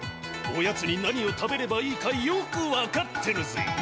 おやつに何を食べればいいかよく分かってるぜ。